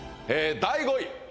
第５位